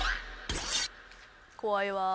怖いわ。